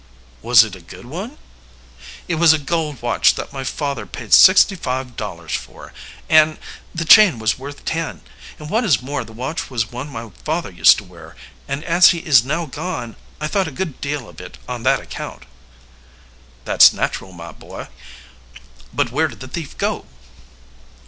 "Was it a good one?" "It was a gold watch that my father paid sixty five dollars for and the chain was worth ten; and, what is more, the watch was one my father used to wear; and as he is gone now, I thought a good deal of it on that account." "That's natural, my boy. But where did the thief go?"